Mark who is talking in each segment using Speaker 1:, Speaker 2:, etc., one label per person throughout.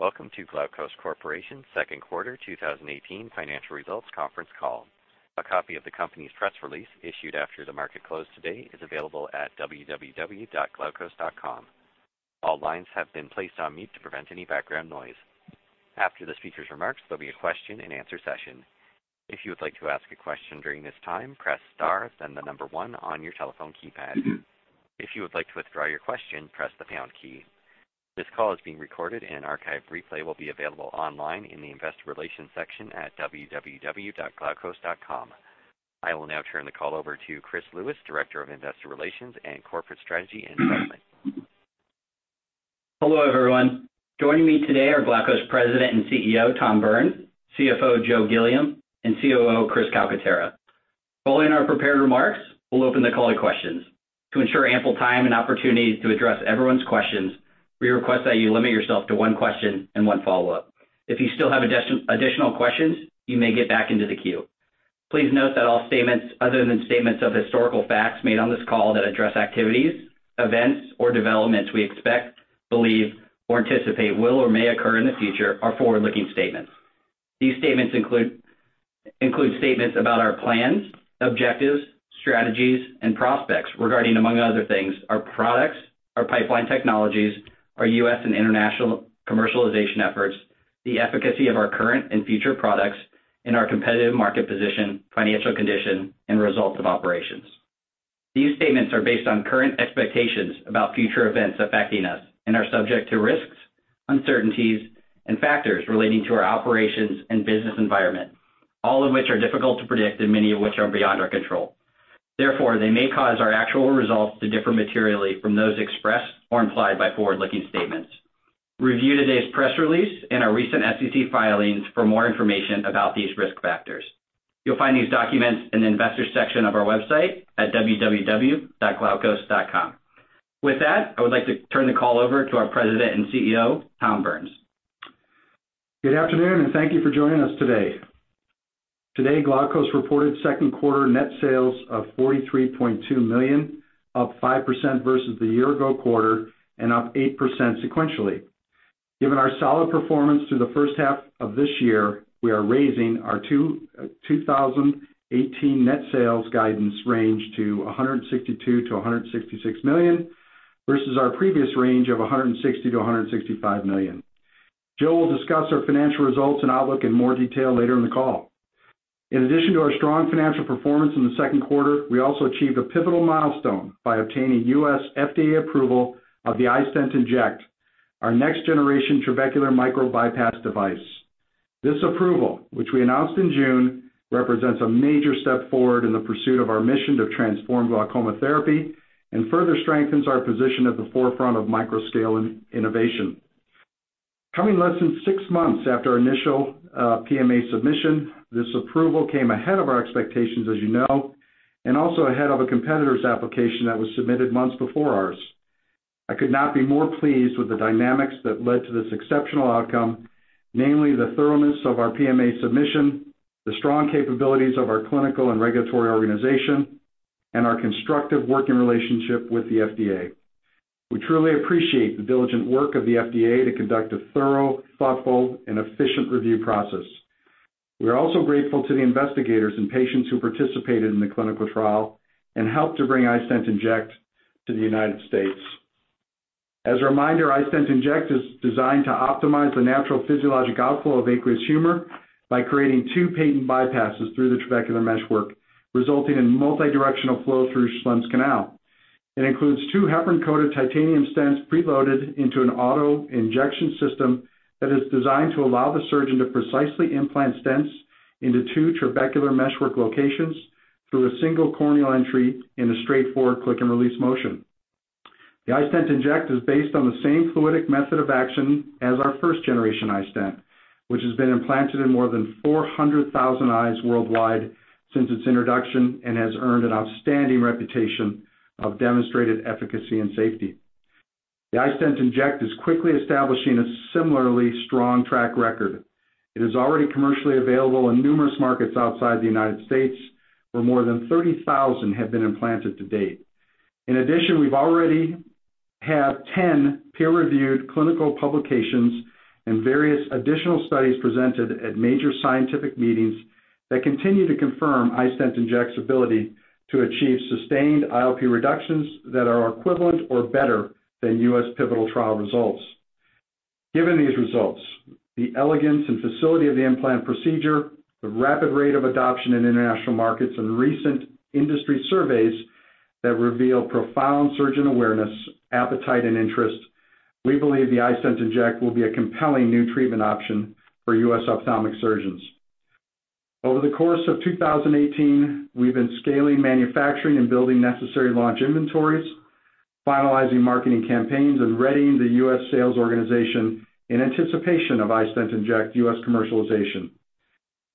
Speaker 1: Welcome to Glaukos Corporation Second Quarter 2018 Financial Results Conference Call. A copy of the company's press release issued after the market close today is available at www.glaukos.com. All lines have been placed on mute to prevent any background noise. After the speakers' remarks, there'll be a question and answer session. If you would like to ask a question during this time, press star, then 1 on your telephone keypad. If you would like to withdraw your question, press the pound key. This call is being recorded and an archive replay will be available online in the investor relations section at www.glaukos.com. I will now turn the call over to Chris Lewis, Director of Investor Relations and Corporate Strategy and Development.
Speaker 2: Hello, everyone. Joining me today are Glaukos President and CEO, Thomas Burns, CFO, Joseph Gilliam, and COO, Chris Calcaterra. Following our prepared remarks, we'll open the call to questions. To ensure ample time and opportunity to address everyone's questions, we request that you limit yourself to 1 question and 1 follow-up. If you still have additional questions, you may get back into the queue. Please note that all statements other than statements of historical facts made on this call that address activities, events, or developments we expect, believe, or anticipate will or may occur in the future are forward-looking statements. These statements include statements about our plans, objectives, strategies, and prospects regarding, among other things, our products, our pipeline technologies, our U.S. and international commercialization efforts, the efficacy of our current and future products, and our competitive market position, financial condition, and results of operations. These statements are based on current expectations about future events affecting us and are subject to risks, uncertainties, and factors relating to our operations and business environment, all of which are difficult to predict and many of which are beyond our control. Therefore, they may cause our actual results to differ materially from those expressed or implied by forward-looking statements. Review today's press release and our recent SEC filings for more information about these risk factors. You'll find these documents in the investor section of our website at www.glaukos.com. With that, I would like to turn the call over to our President and CEO, Thomas Burns.
Speaker 3: Good afternoon, thank you for joining us today. Today, Glaukos reported second quarter net sales of $43.2 million, up 5% versus the year-ago quarter and up 8% sequentially. Given our solid performance through the first half of this year, we are raising our 2018 net sales guidance range to $162 million-$166 million versus our previous range of $160 million-$165 million. Joe will discuss our financial results and outlook in more detail later in the call. In addition to our strong financial performance in the second quarter, we also achieved a pivotal milestone by obtaining U.S. FDA approval of the iStent inject, our next generation trabecular micro-bypass device. This approval, which we announced in June, represents a major step forward in the pursuit of our mission to transform glaucoma therapy and further strengthens our position at the forefront of micro-scale innovation. Coming less than six months after initial PMA submission, this approval came ahead of our expectations, as you know, and also ahead of a competitor's application that was submitted months before ours. I could not be more pleased with the dynamics that led to this exceptional outcome, namely the thoroughness of our PMA submission, the strong capabilities of our clinical and regulatory organization, and our constructive working relationship with the FDA. We truly appreciate the diligent work of the FDA to conduct a thorough, thoughtful and efficient review process. We are also grateful to the investigators and patients who participated in the clinical trial and helped to bring iStent inject to the U.S. As a reminder, iStent inject is designed to optimize the natural physiologic outflow of aqueous humor by creating two patent bypasses through the trabecular meshwork, resulting in multi-directional flow through Schlemm's canal. It includes two heparin-coated titanium stents preloaded into an auto injection system that is designed to allow the surgeon to precisely implant stents into two trabecular meshwork locations through a single corneal entry in a straightforward click and release motion. The iStent inject is based on the same fluidic method of action as our first generation iStent, which has been implanted in more than 400,000 eyes worldwide since its introduction and has earned an outstanding reputation of demonstrated efficacy and safety. The iStent inject is quickly establishing a similarly strong track record. It is already commercially available in numerous markets outside the U.S., where more than 30,000 have been implanted to date. In addition, we've already had 10 peer-reviewed clinical publications and various additional studies presented at major scientific meetings that continue to confirm iStent inject's ability to achieve sustained IOP reductions that are equivalent to or better than U.S. pivotal trial results. Given these results, the elegance and facility of the implant procedure, the rapid rate of adoption in international markets, and recent industry surveys that reveal profound surgeon awareness, appetite, and interest, we believe the iStent inject will be a compelling new treatment option for U.S. ophthalmic surgeons. Over the course of 2018, we've been scaling manufacturing and building necessary launch inventories, finalizing marketing campaigns, and readying the U.S. sales organization in anticipation of iStent inject's U.S. commercialization.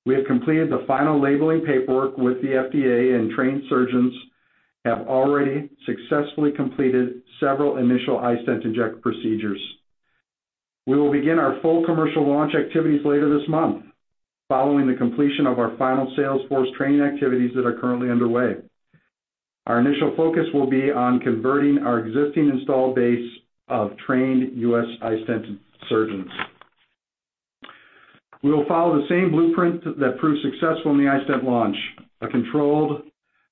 Speaker 3: We have completed the final labeling paperwork with the FDA and trained surgeons have already successfully completed several initial iStent inject procedures. We will begin our full commercial launch activities later this month, following the completion of our final sales force training activities that are currently underway. Our initial focus will be on converting our existing installed base of trained U.S. iStent surgeons. We will follow the same blueprint that proved successful in the iStent launch, a controlled,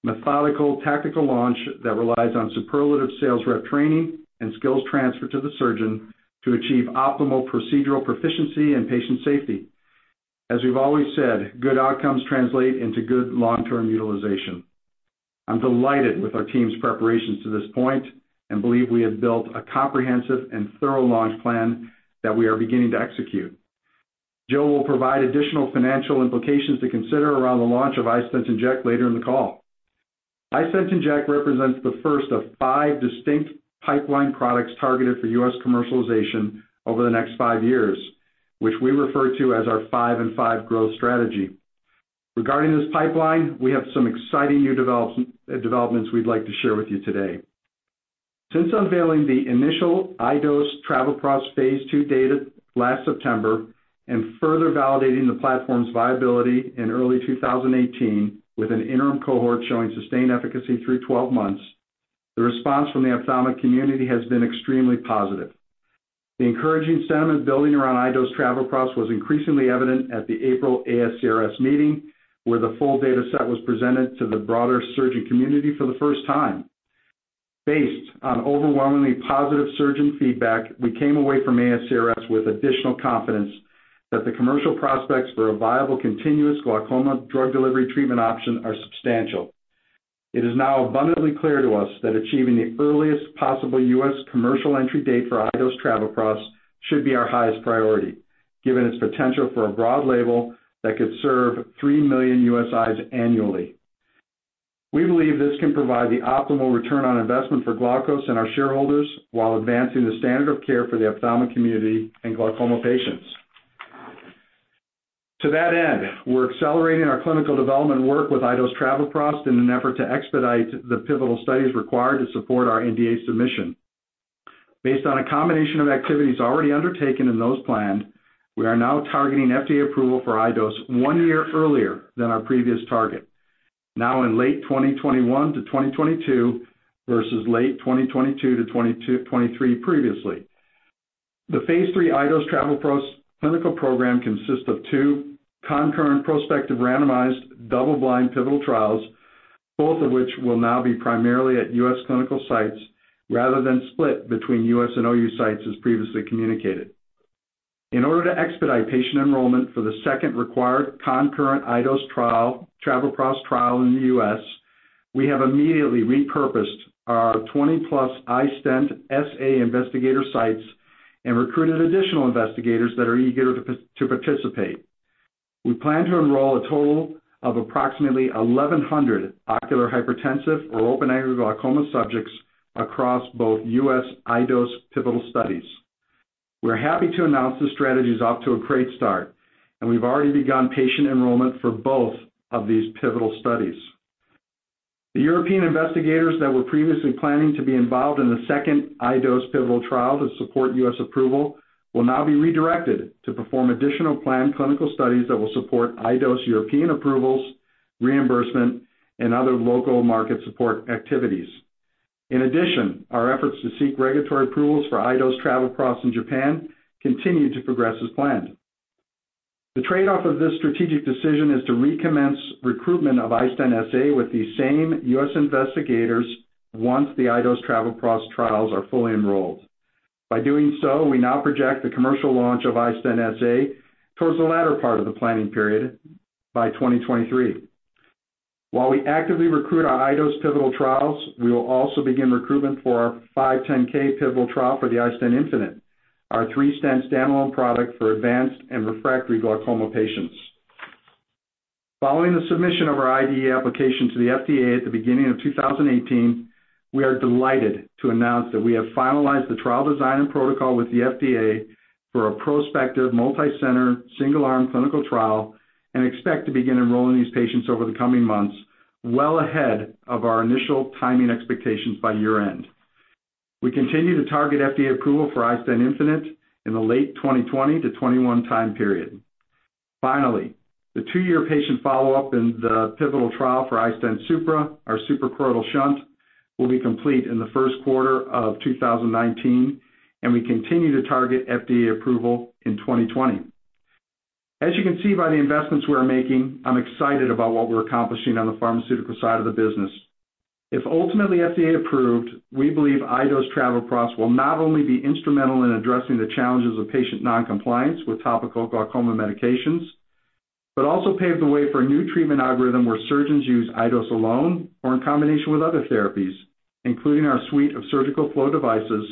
Speaker 3: methodical, tactical launch that relies on superlative sales rep training and skills transfer to the surgeon to achieve optimal procedural proficiency and patient safety. As we've always said, good outcomes translate into good long-term utilization. I'm delighted with our team's preparations to this point and believe we have built a comprehensive and thorough launch plan that we are beginning to execute. Joe will provide additional financial implications to consider around the launch of iStent inject later in the call. iStent inject represents the first of five distinct pipeline products targeted for U.S. commercialization over the next five years, which we refer to as our five and five growth strategy. Regarding this pipeline, we have some exciting new developments we'd like to share with you today. Since unveiling the initial iDose travoprost phase II data last September, and further validating the platform's viability in early 2018 with an interim cohort showing sustained efficacy through 12 months, the response from the ophthalmic community has been extremely positive. The encouraging sentiment building around iDose travoprost was increasingly evident at the April ASCRS meeting, where the full data set was presented to the broader surgeon community for the first time. Based on overwhelmingly positive surgeon feedback, we came away from ASCRS with additional confidence that the commercial prospects for a viable continuous glaucoma drug delivery treatment option are substantial. It is now abundantly clear to us that achieving the earliest possible U.S. commercial entry date for iDose travoprost should be our highest priority, given its potential for a broad label that could serve 3 million U.S. eyes annually. We believe this can provide the optimal return on investment for Glaukos and our shareholders while advancing the standard of care for the ophthalmic community and glaucoma patients. To that end, we're accelerating our clinical development work with iDose travoprost in an effort to expedite the pivotal studies required to support our NDA submission. Based on a combination of activities already undertaken and those planned, we are now targeting FDA approval for iDose one year earlier than our previous target, now in late 2021 to 2022 versus late 2022 to 2023 previously. The phase III iDose travoprost clinical program consists of two concurrent prospective randomized double-blind pivotal trials, both of which will now be primarily at U.S. clinical sites rather than split between U.S. and OUS sites as previously communicated. In order to expedite patient enrollment for the second required concurrent iDose travoprost trial in the U.S., we have immediately repurposed our 20-plus iStent SA investigator sites and recruited additional investigators that are eager to participate. We plan to enroll a total of approximately 1,100 ocular hypertensive or open-angle glaucoma subjects across both U.S. iDose pivotal studies. We're happy to announce the strategy's off to a great start, and we've already begun patient enrollment for both of these pivotal studies. The European investigators that were previously planning to be involved in the second iDose pivotal trial to support U.S. approval will now be redirected to perform additional planned clinical studies that will support iDose European approvals, reimbursement, and other local market support activities. In addition, our efforts to seek regulatory approvals for iDose travoprost in Japan continue to progress as planned. The trade-off of this strategic decision is to recommence recruitment of iStent SA with these same U.S. investigators once the iDose travoprost trials are fully enrolled. By doing so, we now project the commercial launch of iStent SA towards the latter part of the planning period by 2023. While we actively recruit our iDose pivotal trials, we will also begin recruitment for our 510 pivotal trial for the iStent infinite, our three-stent standalone product for advanced and refractory glaucoma patients. Following the submission of our IDE application to the FDA at the beginning of 2018, we are delighted to announce that we have finalized the trial design and protocol with the FDA for a prospective, multicenter, single-arm clinical trial and expect to begin enrolling these patients over the coming months, well ahead of our initial timing expectations by year-end. We continue to target FDA approval for iStent infinite in the late 2020 to 2021 time period. Finally, the two-year patient follow-up in the pivotal trial for iStent Supra, our suprachoroidal shunt, will be complete in the first quarter of 2019, and we continue to target FDA approval in 2020. As you can see by the investments we are making, I'm excited about what we're accomplishing on the pharmaceutical side of the business. If ultimately FDA-approved, we believe iDose travoprost will not only be instrumental in addressing the challenges of patient non-compliance with topical glaucoma medications but also pave the way for a new treatment algorithm where surgeons use iDose alone or in combination with other therapies, including our suite of surgical flow devices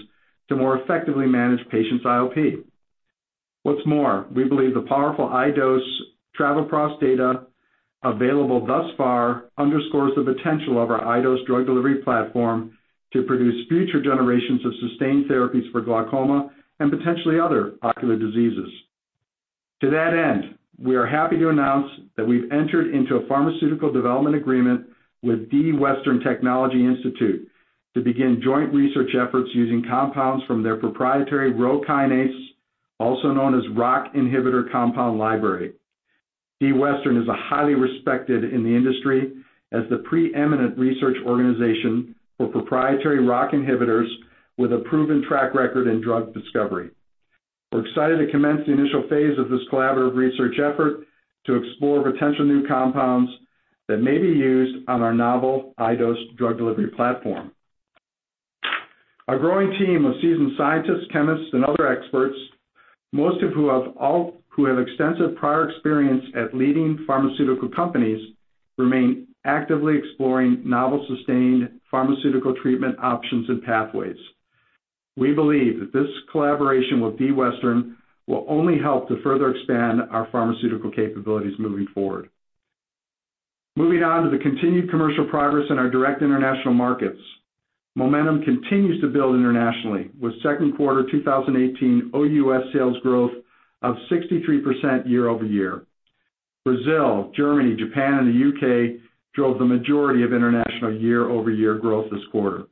Speaker 3: to more effectively manage patients' IOP. What's more, we believe the powerful iDose travoprost data available thus far underscores the potential of our iDose drug delivery platform to produce future generations of sustained therapies for glaucoma and potentially other ocular diseases. To that end, we are happy to announce that we've entered into a pharmaceutical development agreement with D. Western Therapeutics Institute to begin joint research efforts using compounds from their proprietary Rho kinase, also known as ROCK inhibitor compound library. D. Western is highly respected in the industry as the preeminent research organization for proprietary ROCK inhibitors with a proven track record in drug discovery. We're excited to commence the initial phase of this collaborative research effort to explore potential new compounds that may be used on our novel iDose drug delivery platform. Our growing team of seasoned scientists, chemists, and other experts, most of who have extensive prior experience at leading pharmaceutical companies, remain actively exploring novel sustained pharmaceutical treatment options and pathways. We believe that this collaboration with D. Western will only help to further expand our pharmaceutical capabilities moving forward. Moving on to the continued commercial progress in our direct international markets. Momentum continues to build internationally with second quarter 2018 OUS sales growth of 63% year-over-year. Brazil, Germany, Japan, and the U.K. drove the majority of international year-over-year growth this quarter.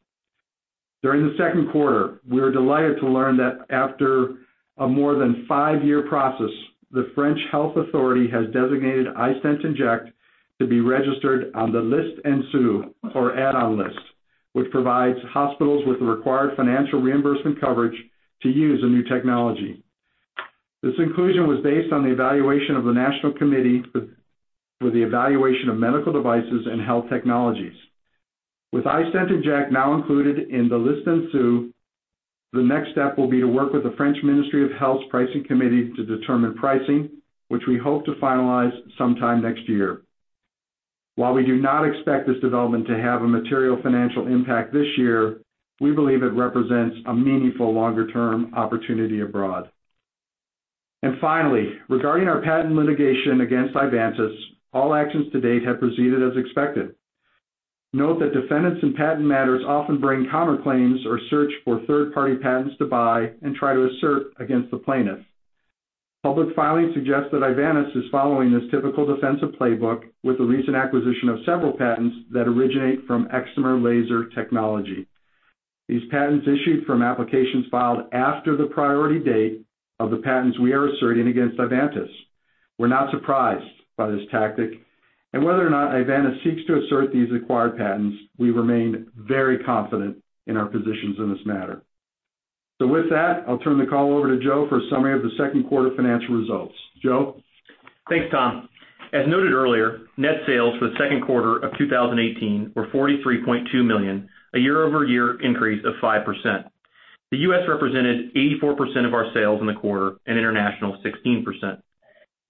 Speaker 3: During the second quarter, we were delighted to learn that after a more than five-year process, the French health authority has designated iStent inject to be registered on the Liste en Sus, or add-on list, which provides hospitals with the required financial reimbursement coverage to use a new technology. This inclusion was based on the evaluation of the national committee for the evaluation of medical devices and health technologies. With iStent inject now included in the Liste en Sus, the next step will be to work with the French Ministry of Health's pricing committee to determine pricing, which we hope to finalize sometime next year. While we do not expect this development to have a material financial impact this year, we believe it represents a meaningful longer-term opportunity abroad. Finally, regarding our patent litigation against Ivantis, all actions to date have proceeded as expected. Note that defendants in patent matters often bring counter claims or search for third-party patents to buy and try to assert against the plaintiffs. Public filings suggest that Ivantis is following this typical defensive playbook with the recent acquisition of several patents that originate from excimer laser technology. These patents issued from applications filed after the priority date of the patents we are asserting against Ivantis. We're not surprised by this tactic, and whether or not Ivantis seeks to assert these acquired patents, we remain very confident in our positions in this matter. With that, I'll turn the call over to Joe for a summary of the second quarter financial results. Joe?
Speaker 4: Thanks, Tom. As noted earlier, net sales for the second quarter of 2018 were $43.2 million, a year-over-year increase of 5%. The U.S. represented 84% of our sales in the quarter and international 16%.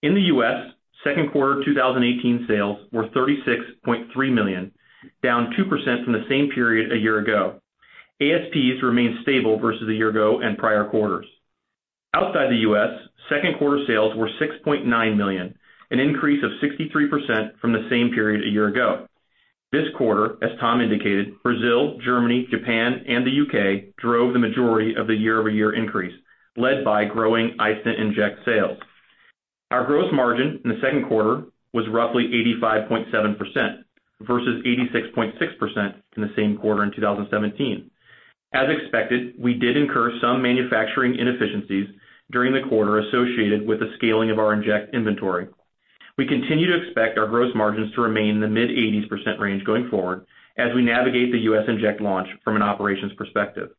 Speaker 4: In the U.S., second quarter 2018 sales were $36.3 million, down 2% from the same period a year ago. ASPs remained stable versus a year ago and prior quarters. Outside the U.S., second quarter sales were $6.9 million, an increase of 63% from the same period a year ago. This quarter, as Tom indicated, Brazil, Germany, Japan, and the U.K. drove the majority of the year-over-year increase, led by growing iStent inject sales. Our gross margin in the second quarter was roughly 85.7% versus 86.6% in the same quarter in 2017. As expected, we did incur some manufacturing inefficiencies during the quarter associated with the scaling of our inject inventory. We continue to expect our gross margins to remain in the mid-80s% range going forward as we navigate the U.S. inject launch from an operations perspective.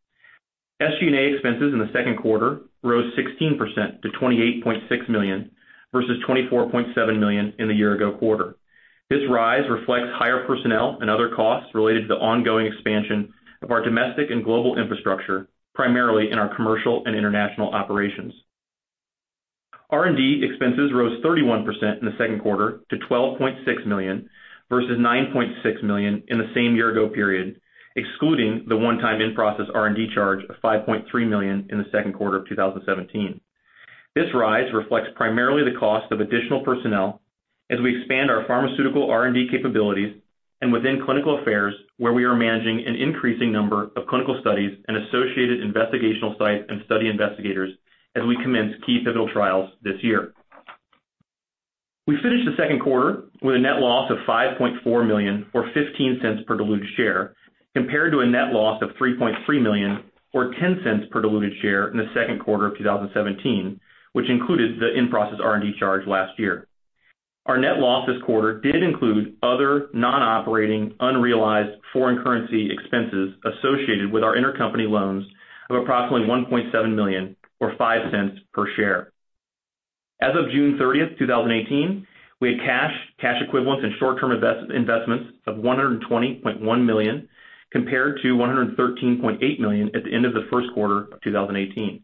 Speaker 4: SG&A expenses in the second quarter rose 16% to $28.6 million, versus $24.7 million in the year ago quarter. This rise reflects higher personnel and other costs related to the ongoing expansion of our domestic and global infrastructure, primarily in our commercial and international operations. R&D expenses rose 31% in the second quarter to $12.6 million, versus $9.6 million in the same year ago period, excluding the one-time in-process R&D charge of $5.3 million in the second quarter of 2017. This rise reflects primarily the cost of additional personnel as we expand our pharmaceutical R&D capabilities and within clinical affairs, where we are managing an increasing number of clinical studies and associated investigational site and study investigators as we commence key pivotal trials this year. We finished the second quarter with a net loss of $5.4 million, or $0.15 per diluted share, compared to a net loss of $3.3 million, or $0.10 per diluted share in the second quarter of 2017, which included the in-process R&D charge last year. Our net loss this quarter did include other non-operating, unrealized foreign currency expenses associated with our intercompany loans of approximately $1.7 million, or $0.05 per share. As of June 30th, 2018, we had cash equivalents, and short-term investments of $120.1 million, compared to $113.8 million at the end of the first quarter of 2018.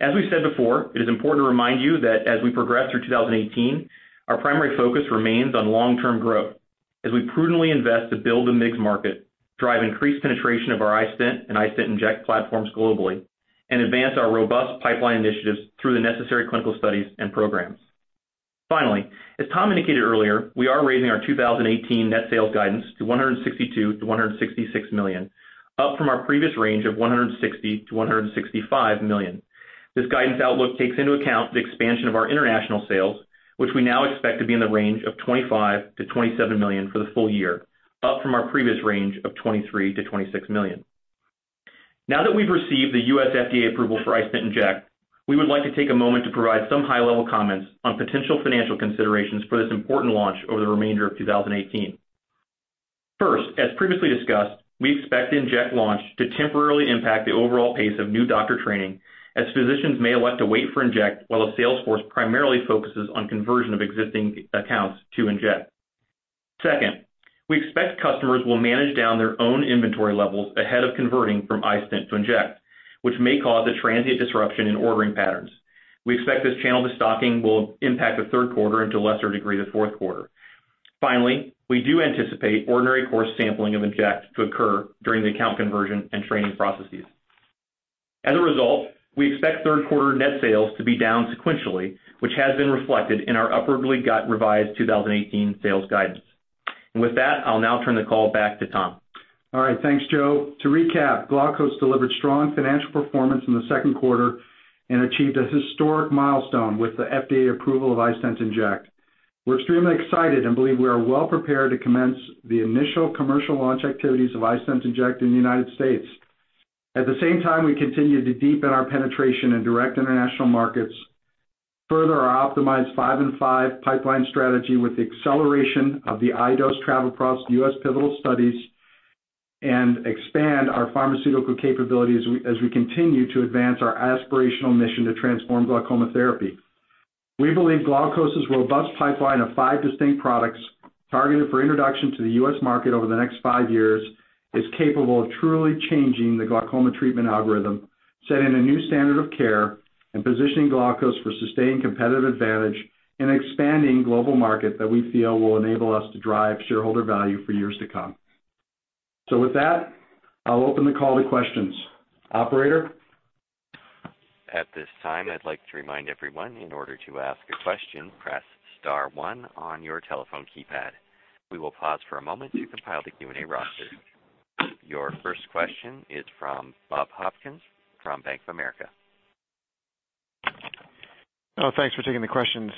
Speaker 4: As we said before, it is important to remind you that as we progress through 2018, our primary focus remains on long-term growth as we prudently invest to build the MIGS market, drive increased penetration of our iStent and iStent inject platforms globally, and advance our robust pipeline initiatives through the necessary clinical studies and programs. Finally, as Tom indicated earlier, we are raising our 2018 net sales guidance to $162 million-$166 million, up from our previous range of $160 million-$165 million. This guidance outlook takes into account the expansion of our international sales, which we now expect to be in the range of $25 million-$27 million for the full year, up from our previous range of $23 million-$26 million. Now that we've received the U.S. FDA approval for iStent inject, we would like to take a moment to provide some high-level comments on potential financial considerations for this important launch over the remainder of 2018. First, as previously discussed, we expect the inject launch to temporarily impact the overall pace of new doctor training as physicians may elect to wait for inject while the sales force primarily focuses on conversion of existing accounts to inject. Second, we expect customers will manage down their own inventory levels ahead of converting from iStent to inject, which may cause a transient disruption in ordering patterns. We expect this channel to stocking will impact the third quarter and to a lesser degree, the fourth quarter. Finally, we do anticipate ordinary course sampling of inject to occur during the account conversion and training processes. As a result, we expect third quarter net sales to be down sequentially, which has been reflected in our upwardly revised 2018 sales guidance. With that, I'll now turn the call back to Tom.
Speaker 3: All right. Thanks, Joe. To recap, Glaukos delivered strong financial performance in the second quarter and achieved a historic milestone with the FDA approval of iStent inject. We're extremely excited and believe we are well prepared to commence the initial commercial launch activities of iStent inject in the United States. At the same time, we continue to deepen our penetration in direct international markets, further our optimized five and five pipeline strategy with the acceleration of the iDose TR U.S. pivotal studies, and expand our pharmaceutical capabilities as we continue to advance our aspirational mission to transform glaucoma therapy. We believe Glaukos' robust pipeline of five distinct products targeted for introduction to the U.S. market over the next five years is capable of truly changing the glaucoma treatment algorithm, setting a new standard of care, and positioning Glaukos for sustained competitive advantage in expanding global market that we feel will enable us to drive shareholder value for years to come. With that, I'll open the call to questions. Operator?
Speaker 1: At this time, I'd like to remind everyone, in order to ask a question, press star one on your telephone keypad. We will pause for a moment to compile the Q&A roster. Your first question is from Bob Hopkins from Bank of America.
Speaker 5: Thanks for taking the questions.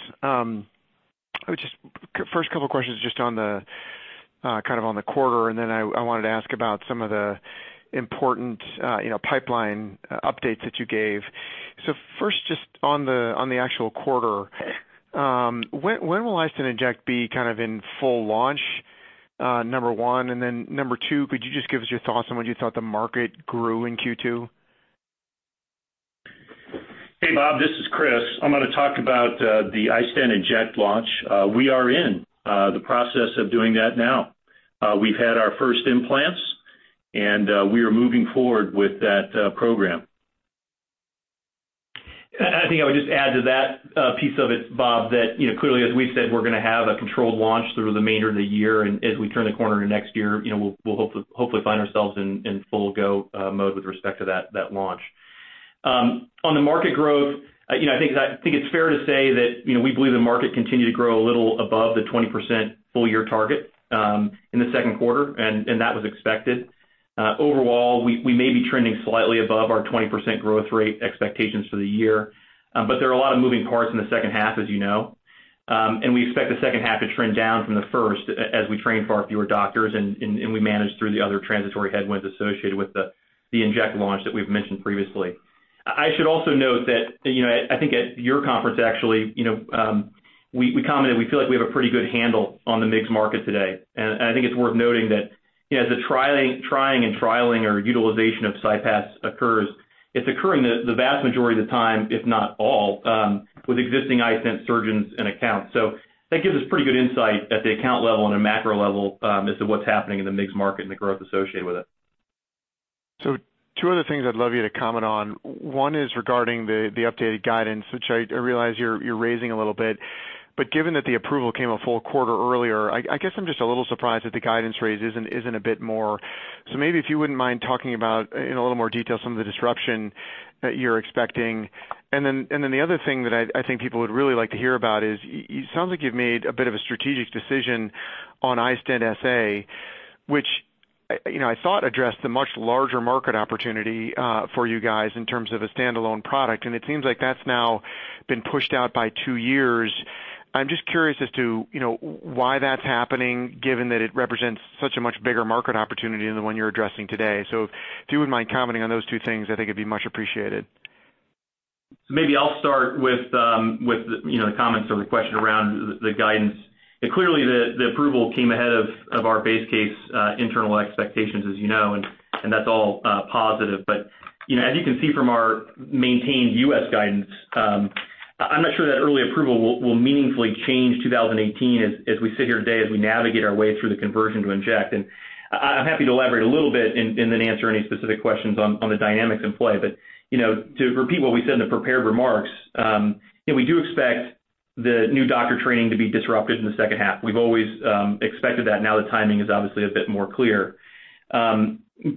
Speaker 5: First couple of questions just on the quarter, and then I wanted to ask about some of the important pipeline updates that you gave. First, just on the actual quarter. When will iStent inject be in full launch, number one? And then number two, could you just give us your thoughts on what you thought the market grew in Q2?
Speaker 6: Hey, Bob, this is Chris. I'm going to talk about the iStent inject launch. We are in the process of doing that now. We've had our first implants, and we are moving forward with that program.
Speaker 4: I think I would just add to that piece of it, Bob, that clearly, as we've said, we're going to have a controlled launch through the remainder of the year. As we turn the corner into next year, we'll hopefully find ourselves in full go mode with respect to that launch. On the market growth, I think it's fair to say that we believe the market continued to grow a little above the 20% full-year target in the second quarter, and that was expected. Overall, we may be trending slightly above our 20% growth rate expectations for the year. There are a lot of moving parts in the second half, as you know. We expect the second half to trend down from the first as we train far fewer doctors and we manage through the other transitory headwinds associated with the inject launch that we've mentioned previously. I should also note that I think at your conference, actually, we commented we feel like we have a pretty good handle on the MIGS market today. I think it's worth noting that as the trying and trialing or utilization of CyPass occurs, it's occurring the vast majority of the time, if not all, with existing iStent surgeons and accounts. That gives us pretty good insight at the account level and a macro level as to what's happening in the MIGS market and the growth associated with it.
Speaker 5: Two other things I'd love you to comment on. One is regarding the updated guidance, which I realize you're raising a little bit, but given that the approval came a full quarter earlier, I guess I'm just a little surprised that the guidance raise isn't a bit more. Maybe if you wouldn't mind talking about, in a little more detail, some of the disruption that you're expecting. The other thing that I think people would really like to hear about is it sounds like you've made a bit of a strategic decision on iStent SA, which I thought addressed the much larger market opportunity for you guys in terms of a standalone product, and it seems like that's now been pushed out by two years. I'm just curious as to why that's happening, given that it represents such a much bigger market opportunity than the one you're addressing today. If you wouldn't mind commenting on those two things, I think it'd be much appreciated.
Speaker 4: Maybe I'll start with the comments or the question around the guidance. Clearly, the approval came ahead of our base case internal expectations, as you know, and that's all positive. As you can see from our maintained U.S. guidance, I'm not sure that early approval will meaningfully change 2018 as we sit here today, as we navigate our way through the conversion to inject. I'm happy to elaborate a little bit and then answer any specific questions on the dynamics in play. To repeat what we said in the prepared remarks, we do expect the new doctor training to be disrupted in the second half. We've always expected that. Now the timing is obviously a bit more clear.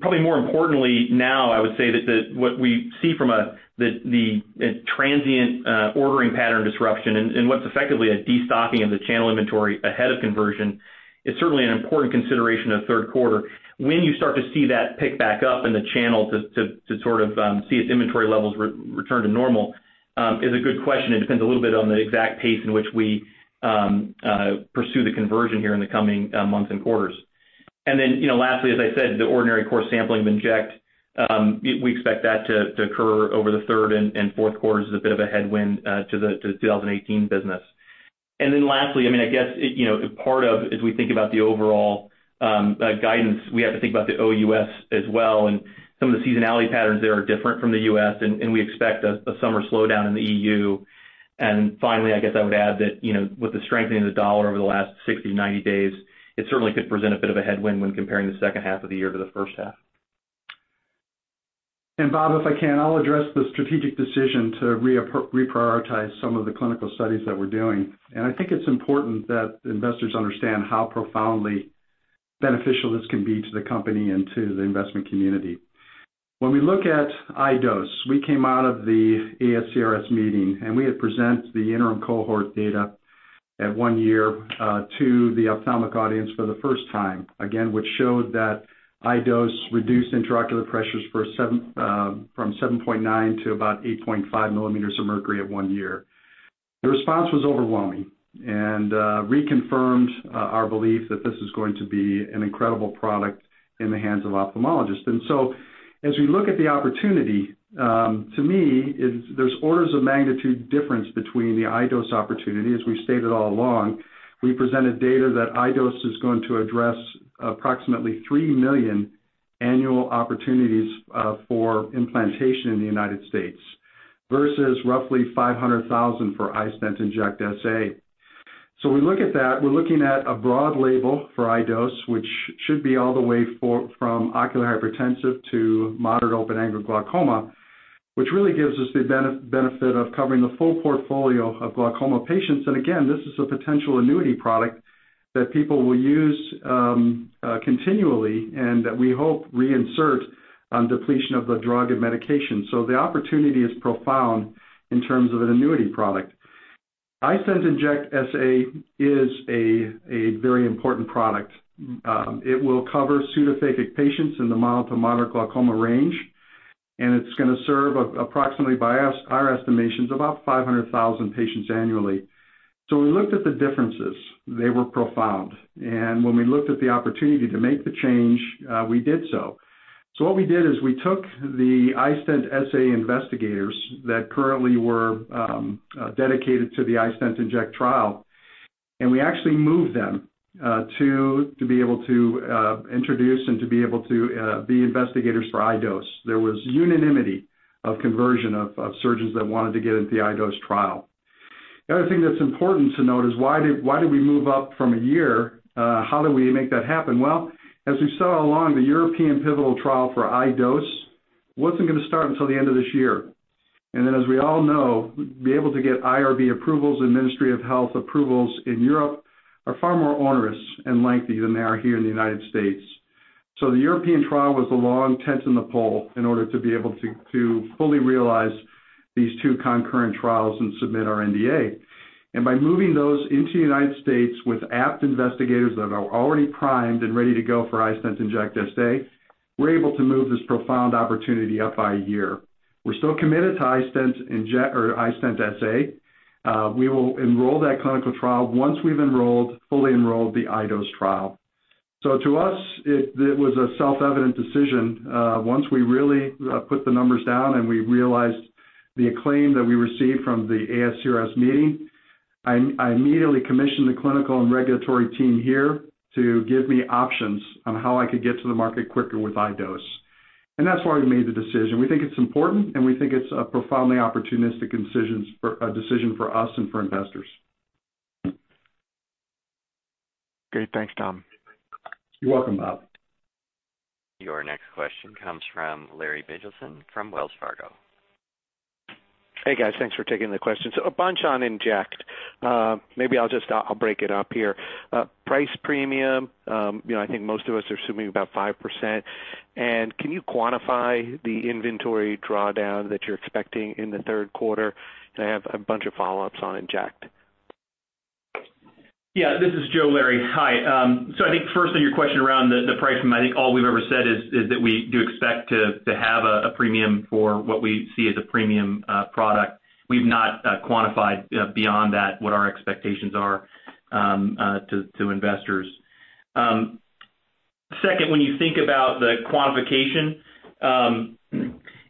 Speaker 4: Probably more importantly, now I would say that what we see from the transient ordering pattern disruption and what's effectively a destocking of the channel inventory ahead of conversion is certainly an important consideration of third quarter. When you start to see that pick back up in the channel to sort of see its inventory levels return to normal is a good question. It depends a little bit on the exact pace in which we pursue the conversion here in the coming months and quarters. Then lastly, as I said, the ordinary course sampling of inject, we expect that to occur over the third and fourth quarters as a bit of a headwind to the 2018 business. Then lastly, I guess, part of as we think about the overall guidance, we have to think about the OUS as well, and some of the seasonality patterns there are different from the U.S., and we expect a summer slowdown in the EU. Finally, I guess I would add that with the strengthening of the dollar over the last 60-90 days, it certainly could present a bit of a headwind when comparing the second half of the year to the first half.
Speaker 3: Bob, if I can, I'll address the strategic decision to reprioritize some of the clinical studies that we're doing. I think it's important that investors understand how profoundly beneficial this can be to the company and to the investment community. When we look at iDose, we came out of the ASCRS meeting, and we had presented the interim cohort data at one year to the ophthalmic audience for the first time. Again, which showed that iDose reduced intraocular pressures from 7.9 to about 8.5 millimeters of mercury at one year. The response was overwhelming and reconfirmed our belief that this is going to be an incredible product in the hands of ophthalmologists. As we look at the opportunity, to me, there's orders of magnitude difference between the iDose opportunity, as we've stated all along. We presented data that iDose is going to address approximately 3 million annual opportunities for implantation in the United States versus roughly 500,000 for iStent inject SA. We look at that, we are looking at a broad label for iDose, which should be all the way from ocular hypertension to moderate open-angle glaucoma, which really gives us the benefit of covering the full portfolio of glaucoma patients. Again, this is a potential annuity product that people will use continually and that we hope reinserts depletion of the drug and medication. The opportunity is profound in terms of an annuity product. iStent inject SA is a very important product. It will cover pseudophakic patients in the mild to moderate glaucoma range, and it is going to serve approximately, by our estimations, about 500,000 patients annually. We looked at the differences. They were profound. When we looked at the opportunity to make the change, we did so. What we did is we took the iStent SA investigators that currently were dedicated to the iStent inject trial, and we actually moved them to be able to introduce and to be able to be investigators for iDose. There was unanimity of conversion of surgeons that wanted to get into the iDose trial. The other thing that is important to note is why did we move up from a year? How did we make that happen? As we saw along, the European pivotal trial for iDose was not going to start until the end of this year. Then, as we all know, to be able to get IRB approvals and Ministry of Health approvals in Europe are far more onerous and lengthy than they are here in the United States. The European trial was the long tent in the pole in order to be able to fully realize these two concurrent trials and submit our NDA. By moving those into the United States with apt investigators that are already primed and ready to go for iStent inject SA, we are able to move this profound opportunity up by a year. We are still committed to iStent SA. We will enroll that clinical trial once we have fully enrolled the iDose trial. To us, it was a self-evident decision. Once we really put the numbers down and we realized the acclaim that we received from the ASCRS meeting, I immediately commissioned the clinical and regulatory team here to give me options on how I could get to the market quicker with iDose. That is why we made the decision. We think it is important, and we think it is a profoundly opportunistic decision for us and for investors.
Speaker 5: Great. Thanks, Tom.
Speaker 3: You're welcome, Bob.
Speaker 1: Your next question comes from Larry Biegelsen from Wells Fargo.
Speaker 7: Hey, guys. Thanks for taking the questions. A bunch on iStent inject. Maybe I'll break it up here. Price premium, I think most of us are assuming about 5%. Can you quantify the inventory drawdown that you're expecting in the third quarter? I have a bunch of follow-ups on iStent inject.
Speaker 4: This is Joe, Larry. Hi. I think firstly, your question around the price, I think all we've ever said is that we do expect to have a premium for what we see as a premium product. We've not quantified beyond that what our expectations are to investors. Second, when you think about the quantification,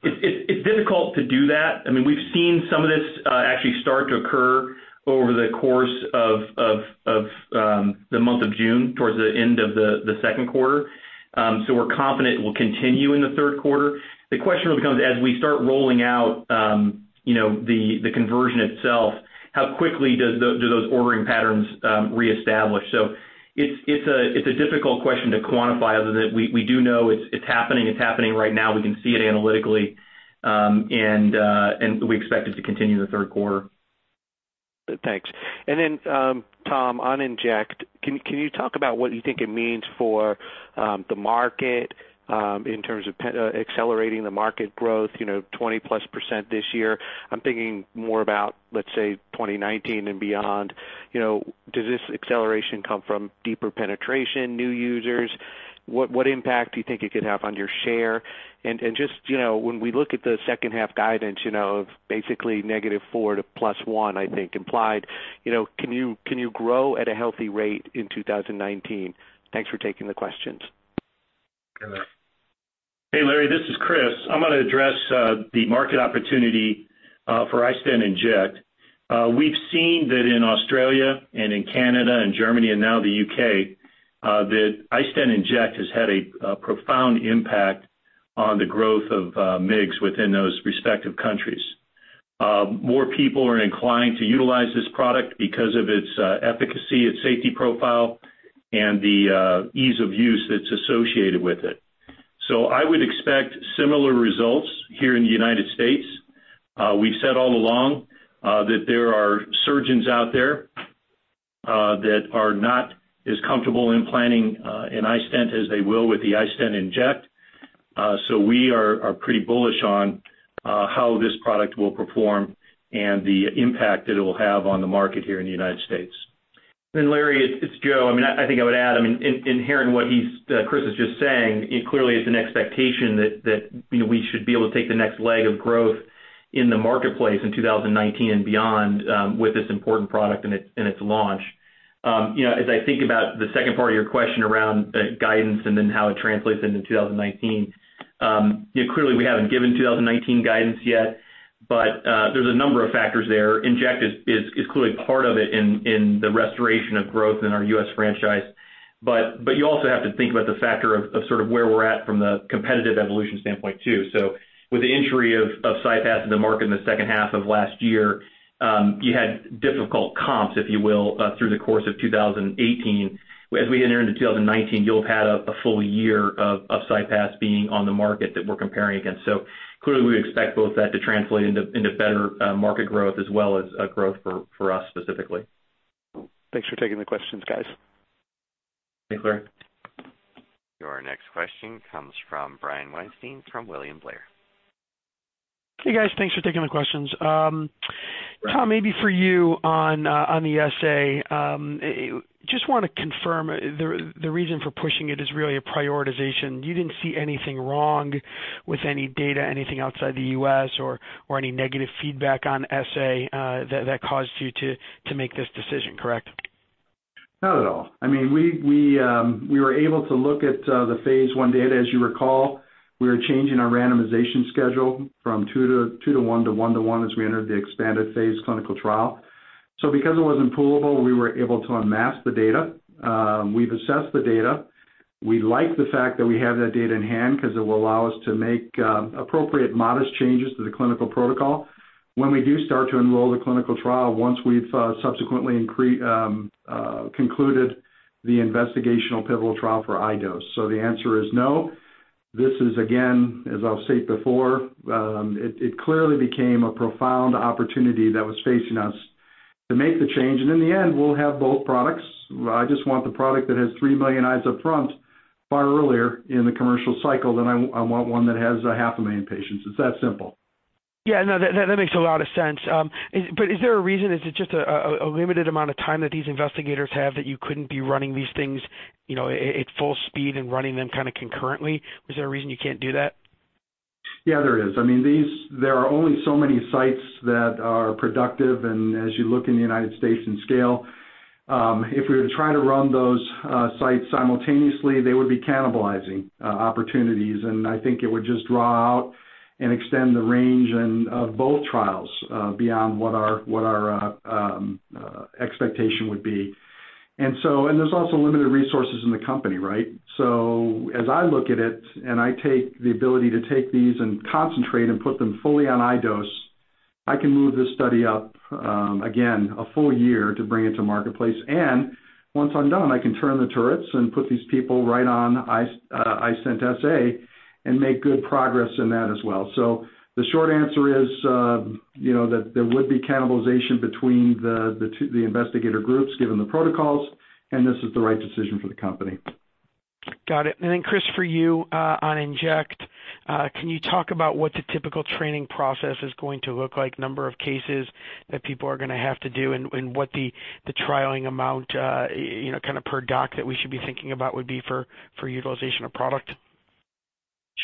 Speaker 4: it's difficult to do that. We've seen some of this actually start to occur over the course of the month of June, towards the end of the second quarter. We're confident it will continue in the third quarter. The question really comes as we start rolling out the conversion itself, how quickly do those ordering patterns reestablish? It's a difficult question to quantify other than we do know it's happening, it's happening right now. We can see it analytically, and we expect it to continue in the third quarter.
Speaker 7: Thanks. Tom, on inject, can you talk about what you think it means for the market in terms of accelerating the market growth, 20%+ this year? I'm thinking more about, let's say, 2019 and beyond. Does this acceleration come from deeper penetration, new users? What impact do you think it could have on your share? Just when we look at the second half guidance of basically -4% to +1%, I think, implied, can you grow at a healthy rate in 2019? Thanks for taking the questions.
Speaker 6: Hey Larry, this is Chris. I'm going to address the market opportunity for iStent inject. We've seen that in Australia and in Canada and Germany and now the U.K., that iStent inject has had a profound impact on the growth of MIGS within those respective countries. More people are inclined to utilize this product because of its efficacy, its safety profile, and the ease of use that's associated with it. I would expect similar results here in the United States. We've said all along that there are surgeons out there that are not as comfortable implanting an iStent as they will with the iStent inject, we are pretty bullish on how this product will perform and the impact it'll have on the market here in the United States.
Speaker 4: Larry, it's Joe. I think I would add, in hearing what Chris is just saying, it clearly is an expectation that we should be able to take the next leg of growth in the marketplace in 2019 and beyond with this important product and its launch. As I think about the second part of your question around guidance and how it translates into 2019. Clearly we haven't given 2019 guidance yet, there's a number of factors there. Inject is clearly part of it in the restoration of growth in our U.S. franchise. You also have to think about the factor of sort of where we're at from the competitive evolution standpoint, too. With the entry of CyPass in the market in the second half of last year, you had difficult comps, if you will, through the course of 2018. As we enter into 2019, you'll have had a full year of CyPass being on the market that we're comparing against. Clearly we expect both that to translate into better market growth as well as growth for us specifically.
Speaker 7: Thanks for taking the questions, guys.
Speaker 4: Thanks, Larry.
Speaker 1: Your next question comes from Brian Weinstein from William Blair.
Speaker 8: Hey guys, thanks for taking my questions. Tom, maybe for you on the iStent SA. Just want to confirm the reason for pushing it is really a prioritization. You didn't see anything wrong with any data, anything outside the U.S. or any negative feedback on iStent SA that caused you to make this decision, correct?
Speaker 6: Not at all. We were able to look at the phase I data. As you recall, we were changing our randomization schedule from two to one to one to one as we entered the expanded phase clinical trial. Because it wasn't poolable, we were able to unmask the data. We've assessed the data. We like the fact that we have that data in hand because it will allow us to make appropriate modest changes to the clinical protocol. When we do start to enroll the clinical trial, once we've subsequently concluded the investigational pivotal trial for iDose. The answer is no. This is, again, as I've stated before, it clearly became a profound opportunity that was facing us to make the change. In the end, we'll have both products. I just want the product that has 3 million eyes up front far earlier in the commercial cycle than I want one that has a half a million patients. It's that simple.
Speaker 8: Yeah, no, that makes a lot of sense. Is there a reason? Is it just a limited amount of time that these investigators have that you couldn't be running these things at full speed and running them kind of concurrently? Was there a reason you can't do that?
Speaker 6: Yeah, there is. There are only so many sites that are productive, and as you look in the U.S. and scale, if we were to try to run those sites simultaneously, they would be cannibalizing opportunities, and I think it would just draw out and extend the range of both trials beyond what our expectation would be. There's also limited resources in the company, right? As I look at it and I take the ability to take these and concentrate and put them fully on iDose, I can move this study up, again, a full year to bring it to marketplace. Once I'm done, I can turn the turrets and put these people right on iStent SA and make good progress in that as well. The short answer is that there would be cannibalization between the investigator groups given the protocols, and this is the right decision for the company.
Speaker 8: Got it. Chris, for you, on iStent inject, can you talk about what the typical training process is going to look like, number of cases that people are going to have to do and what the trialing amount kind of per doc that we should be thinking about would be for utilization of product?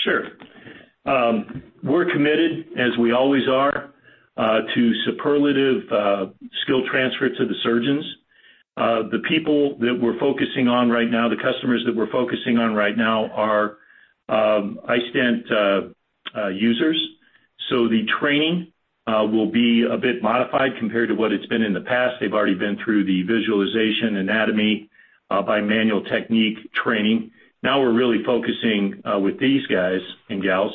Speaker 6: Sure. We're committed, as we always are, to superlative skill transfer to the surgeons. The people that we're focusing on right now, the customers that we're focusing on right now are iStent users. The training will be a bit modified compared to what it's been in the past. They've already been through the visualization anatomy by manual technique training. Now we're really focusing with these guys and gals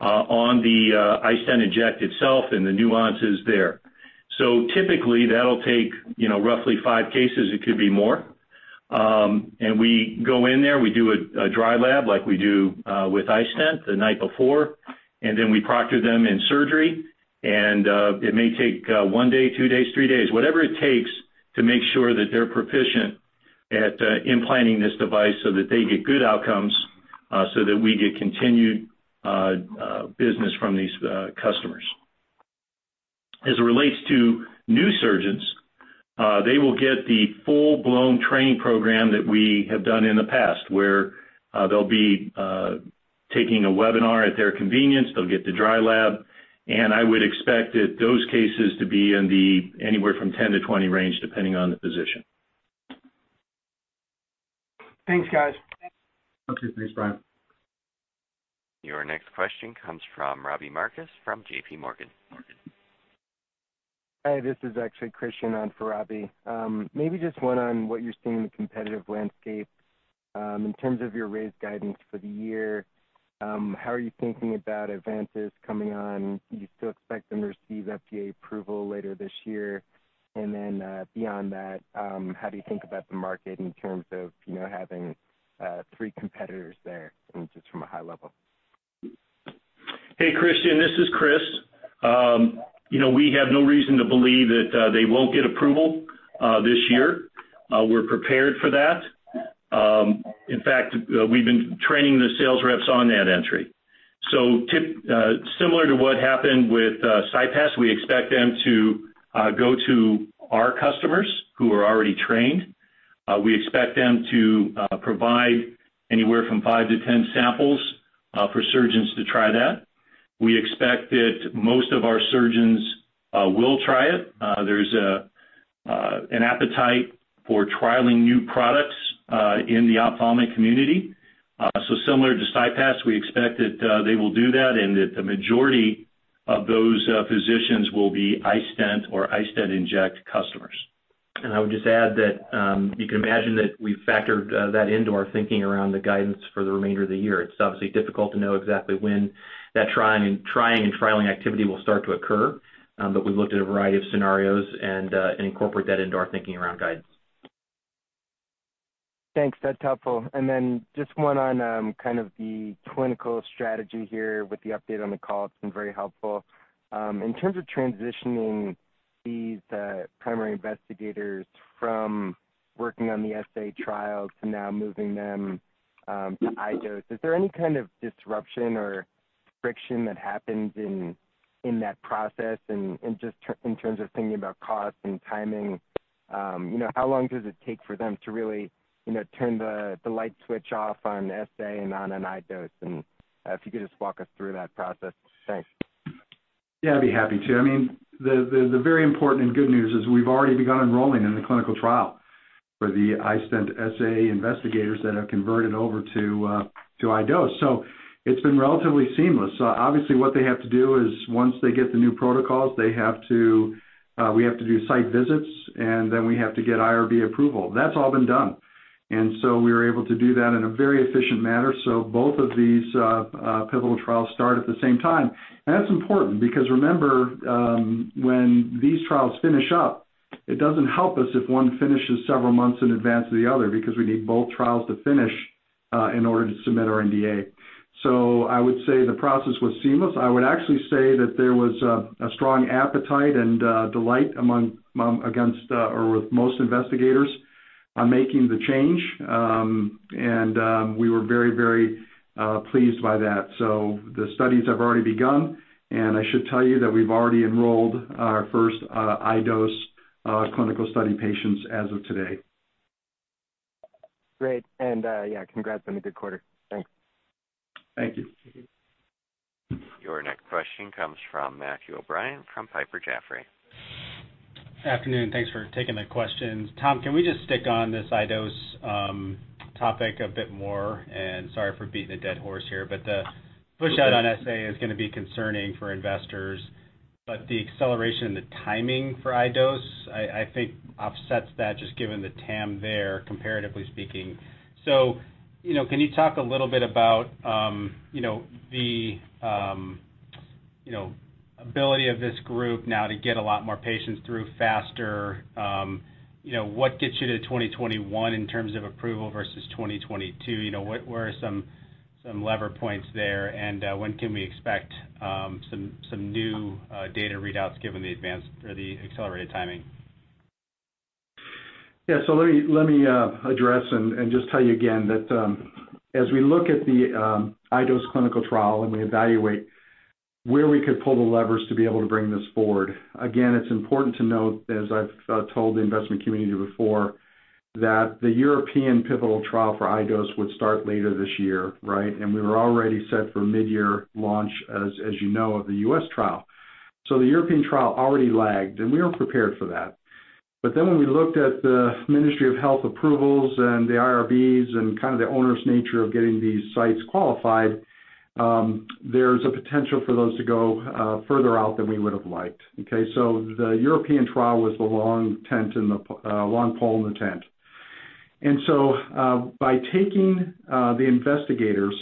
Speaker 6: on the iStent inject itself and the nuances there. Typically that'll take roughly five cases. It could be more. We go in there, we do a dry lab like we do with iStent the night before, and then we proctor them in surgery. It may take one day, two days, three days, whatever it takes to make sure that they're proficient at implanting this device so that they get good outcomes so that we get continued business from these customers. As it relates to new surgeons, they will get the full-blown training program that we have done in the past, where they'll be taking a webinar at their convenience. They'll get the dry lab, and I would expect those cases to be anywhere from 10-20 range, depending on the physician.
Speaker 8: Thanks, guys.
Speaker 6: Okay. Thanks, Brian.
Speaker 1: Your next question comes from Robbie Marcus from JPMorgan.
Speaker 9: Hi, this is actually Christyan on for Robbie. Maybe just one on what you're seeing in the competitive landscape. In terms of your raised guidance for the year, how are you thinking about Ivantis coming on? Do you still expect them to receive FDA approval later this year? Beyond that, how do you think about the market in terms of having three competitors there, and just from a high level?
Speaker 6: Hey, Christyan. This is Chris. We have no reason to believe that they won't get approval this year. We're prepared for that. In fact, we've been training the sales reps on that entry. Similar to what happened with CyPass, we expect them to go to our customers who are already trained. We expect them to provide anywhere from five to 10 samples for surgeons to try that. We expect that most of our surgeons will try it. There's an appetite for trialing new products in the ophthalmic community. Similar to CyPass, we expect that they will do that, and that the majority of those physicians will be iStent or iStent inject customers.
Speaker 4: I would just add that you can imagine that we factored that into our thinking around the guidance for the remainder of the year. It's obviously difficult to know exactly when that trying and trialing activity will start to occur. We've looked at a variety of scenarios and incorporate that into our thinking around guidance.
Speaker 9: Thanks. That's helpful. Just one on kind of the clinical strategy here with the update on the call. It's been very helpful. In terms of transitioning these primary investigators from working on the SA trial to now moving them to iDose, is there any kind of disruption or friction that happens in that process? Just in terms of thinking about cost and timing, how long does it take for them to really turn the light switch off on SA and on an iDose? If you could just walk us through that process. Thanks.
Speaker 6: Yeah, I'd be happy to. The very important and good news is we've already begun enrolling in the clinical trial for the iStent SA investigators that have converted over to iDose. It's been relatively seamless. Obviously, what they have to do is once they get the new protocols, we have to do site visits, and then we have to get IRB approval. That's all been done. We were able to do that in a very efficient manner. Both of these pivotal trials start at the same time. That's important because remember, when these trials finish up, it doesn't help us if one finishes several months in advance of the other, because we need both trials to finish in order to submit our NDA. I would say the process was seamless. I would actually say that there was a strong appetite and delight with most investigators on making the change. We were very pleased by that. The studies have already begun, and I should tell you that we've already enrolled our first iDose clinical study patients as of today.
Speaker 9: Great, yeah, congrats on a good quarter. Thanks.
Speaker 6: Thank you.
Speaker 1: Your next question comes from Matthew O'Brien from Piper Jaffray.
Speaker 10: Afternoon. Thanks for taking the questions. Tom, can we just stick on this iDose topic a bit more? Sorry for beating a dead horse here, the push-out on SA is going to be concerning for investors. The acceleration and the timing for iDose, I think offsets that just given the TAM there, comparatively speaking. Can you talk a little bit about the ability of this group now to get a lot more patients through faster? What gets you to 2021 in terms of approval versus 2022? Where are some lever points there, and when can we expect some new data readouts given the accelerated timing?
Speaker 6: Let me address and just tell you again that as we look at the iDose clinical trial and we evaluate where we could pull the levers to be able to bring this forward. Again, it's important to note, as I've told the investment community before, that the European pivotal trial for iDose would start later this year, right? We were already set for mid-year launch, as you know, of the U.S. trial. The European trial already lagged, and we were prepared for that. When we looked at the Ministry of Health approvals and the IRBs and kind of the onerous nature of getting these sites qualified, there's a potential for those to go further out than we would've liked, okay? The European trial was the long pole in the tent. By taking the investigators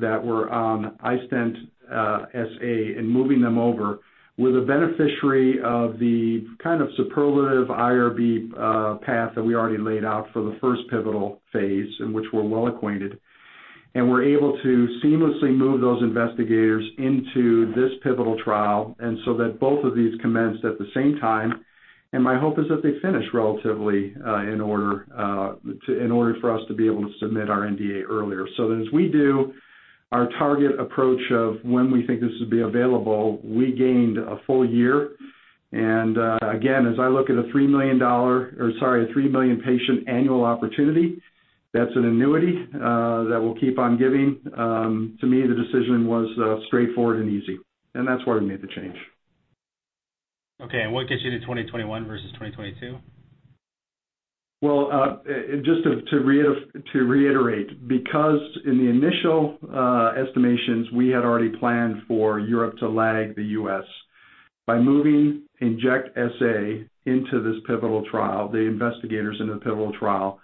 Speaker 6: that were on iStent SA and moving them over, we're the beneficiary of the kind of superlative IRB path that we already laid out for the first pivotal phase, in which we're well-acquainted. We're able to seamlessly move those investigators into this pivotal trial, and so that both of these commenced at the same time. My hope is that they finish relatively in order for us to be able to submit our NDA earlier. As we do our target approach of when we think this would be available, we gained a full year. Again, as I look at a 3 million patient annual opportunity, that's an annuity that will keep on giving. To me, the decision was straightforward and easy. That's why we made the change.
Speaker 10: Okay, what gets you to 2021 versus 2022?
Speaker 3: Well, just to reiterate, because in the initial estimations, we had already planned for Europe to lag the U.S. By moving iStent SA into this pivotal trial, the investigators in the pivotal trial,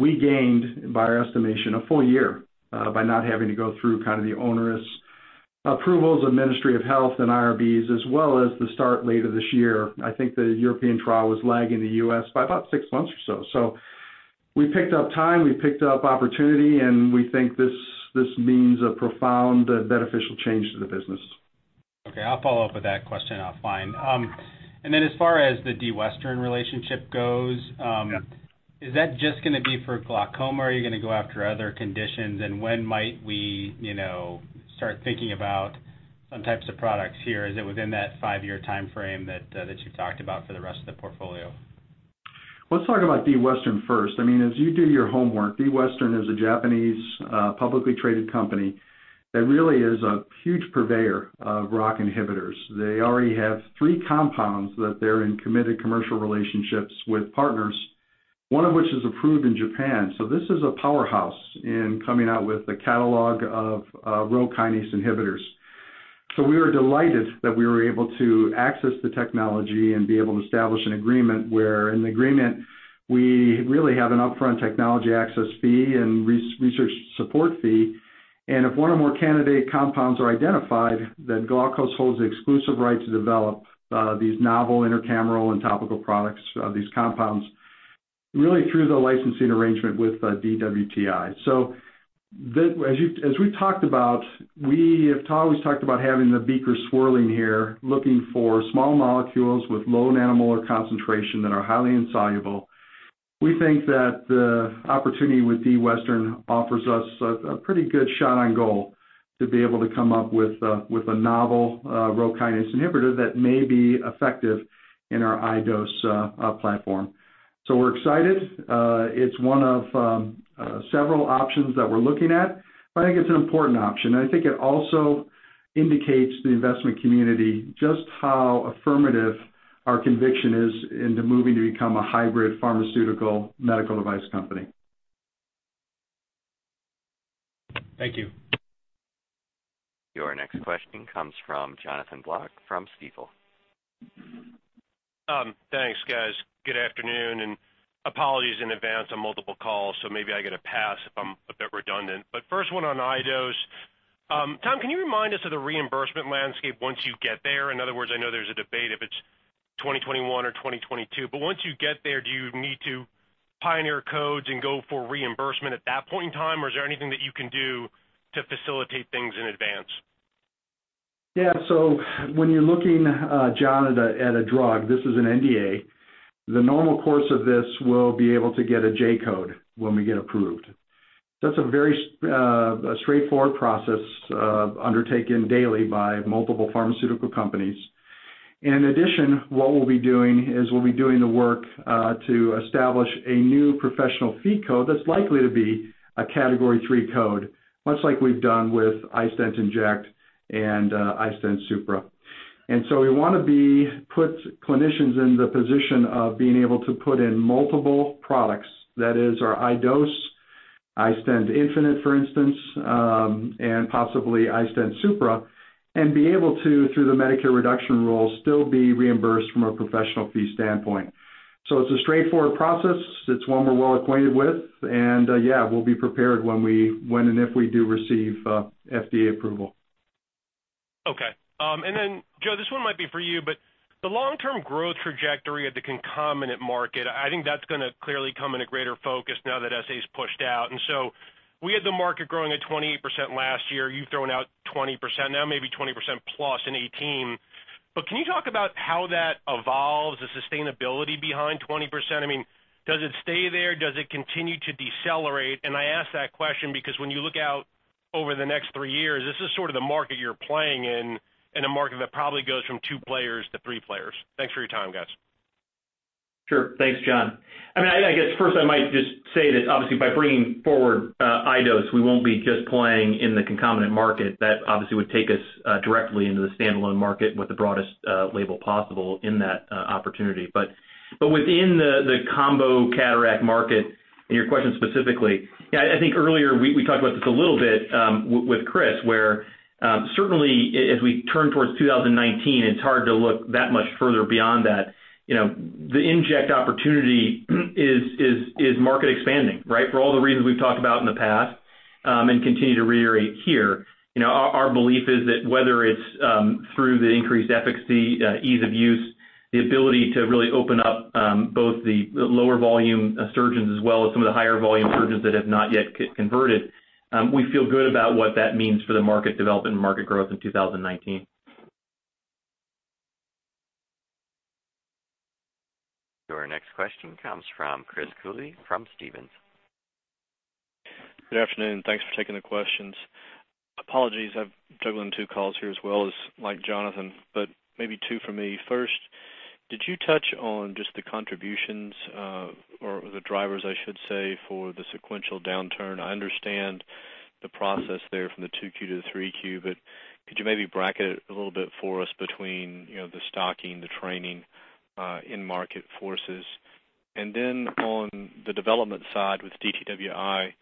Speaker 3: we gained, by our estimation, a full year by not having to go through the onerous approvals of Ministry of Health and IRBs, as well as the start later this year. I think the European trial was lagging the U.S. by about six months or so. We picked up time, we picked up opportunity, we think this means a profound beneficial change to the business.
Speaker 10: Okay. I'll follow up with that question. I'll find. Then as far as the D. Western relationship goes-
Speaker 3: Yeah
Speaker 10: is that just going to be for glaucoma, or are you going to go after other conditions? When might we start thinking about some types of products here? Is it within that five-year timeframe that you've talked about for the rest of the portfolio?
Speaker 3: Let's talk about D. Western first. As you do your homework, D. Western is a Japanese publicly traded company that really is a huge purveyor of ROCK inhibitors. They already have three compounds that they are in committed commercial relationships with partners, one of which is approved in Japan. This is a powerhouse in coming out with a catalog of Rho kinase inhibitors. We were delighted that we were able to access the technology and be able to establish an agreement where in the agreement, we really have an upfront technology access fee and research support fee. If one or more candidate compounds are identified, Glaukos holds the exclusive right to develop these novel intracameral and topical products, these compounds, really through the licensing arrangement with DWTI. As we've talked about, we have always talked about having the beaker swirling here, looking for small molecules with low nanomolar concentration that are highly insoluble. We think that the opportunity with D. Western offers us a pretty good shot on goal to be able to come up with a novel Rho kinase inhibitor that may be effective in our iDose platform. We're excited. It's one of several options that we're looking at, but I think it's an important option. I think it also indicates to the investment community just how affirmative our conviction is into moving to become a hybrid pharmaceutical medical device company.
Speaker 10: Thank you.
Speaker 1: Your next question comes from Jonathan Block from Stifel.
Speaker 11: Thanks, guys. Good afternoon, apologies in advance on multiple calls, so maybe I get a pass if I'm a bit redundant. First one on iDose. Tom, can you remind us of the reimbursement landscape once you get there? In other words, I know there's a debate if it's 2021 or 2022. Once you get there, do you need to pioneer codes and go for reimbursement at that point in time, or is there anything that you can do to facilitate things in advance?
Speaker 3: Yeah. When you're looking, John, at a drug, this is an NDA. The normal course of this, we'll be able to get a J-code when we get approved. That's a very straightforward process undertaken daily by multiple pharmaceutical companies. In addition, what we'll be doing is we'll be doing the work to establish a new professional fee code that's likely to be a Category III code, much like we've done with iStent inject and iStent Supra. We want to put clinicians in the position of being able to put in multiple products, that is our iDose, iStent infinite, for instance, and possibly iStent Supra, and be able to, through the Medicare reduction rule, still be reimbursed from a professional fee standpoint. It's a straightforward process. It's one we're well acquainted with. Yeah, we'll be prepared when and if we do receive FDA approval.
Speaker 11: Okay. Joe, this one might be for you, the long-term growth trajectory of the concomitant market, I think that's going to clearly come into greater focus now that SA is pushed out. We had the market growing at 28% last year. You've thrown out 20%. Now maybe 20% plus in 2018. Can you talk about how that evolves, the sustainability behind 20%? Does it stay there? Does it continue to decelerate? I ask that question because when you look out over the next three years, this is sort of the market you're playing in, and a market that probably goes from two players to three players. Thanks for your time, guys.
Speaker 4: Sure. Thanks, John. I guess first I might just say that obviously by bringing forward iDose, we won't be just playing in the concomitant market. That obviously would take us directly into the standalone market with the broadest label possible in that opportunity. Within the combo cataract market, your question specifically, I think earlier we talked about this a little bit with Chris, where certainly as we turn towards 2019, it's hard to look that much further beyond that. The inject opportunity is market expanding, right? For all the reasons we've talked about in the past and continue to reiterate here. Our belief is that whether it's through the increased efficacy, ease of use, the ability to really open up both the lower volume surgeons as well as some of the higher volume surgeons that have not yet converted. We feel good about what that means for the market development and market growth in 2019.
Speaker 1: Your next question comes from Chris Cooley from Stephens.
Speaker 12: Good afternoon. Thanks for taking the questions. Apologies, I'm juggling two calls here as well as like Jonathan. Maybe two for me. First, did you touch on just the contributions or the drivers, I should say, for the sequential downturn? I understand the process there from the 2Q to the 3Q, but could you maybe bracket it a little bit for us between the stocking, the training, in-market forces? On the development side with DWTI,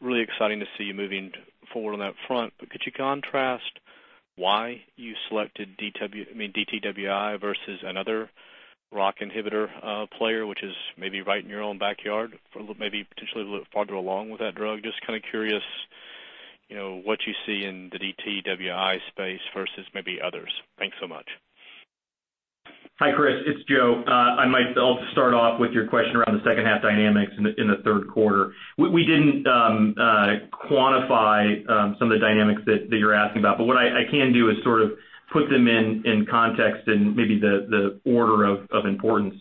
Speaker 12: really exciting to see you moving forward on that front. Could you contrast why you selected DWTI versus another ROCK inhibitor player, which is maybe right in your own backyard, maybe potentially a little farther along with that drug? Kind of curious what you see in the DWTI space versus maybe others. Thanks so much.
Speaker 4: Hi, Chris. It's Joe. I'll start off with your question around the second half dynamics in the third quarter. We didn't quantify some of the dynamics that you're asking about. What I can do is sort of put them in context in maybe the order of importance.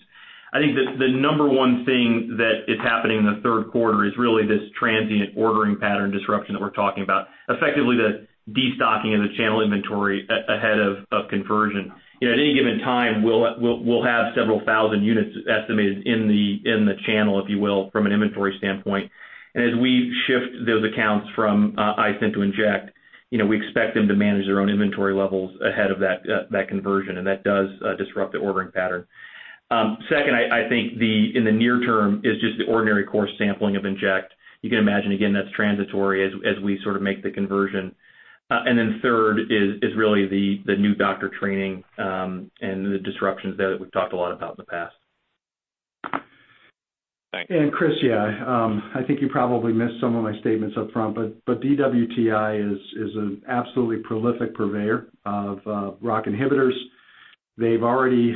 Speaker 4: I think the number one thing that is happening in the third quarter is really this transient ordering pattern disruption that we're talking about, effectively the de-stocking of the channel inventory ahead of conversion. At any given time, we'll have several thousand units estimated in the channel, if you will, from an inventory standpoint. As we shift those accounts from iStent to iStent inject, we expect them to manage their own inventory levels ahead of that conversion, and that does disrupt the ordering pattern. Second, I think in the near term is just the ordinary course sampling of iStent inject. You can imagine, again, that's transitory as we sort of make the conversion. Third is really the new doctor training, and the disruptions there that we've talked a lot about in the past.
Speaker 12: Thanks.
Speaker 3: Chris, yeah. I think you probably missed some of my statements up front, but DWTI is an absolutely prolific purveyor of ROCK inhibitors. They've already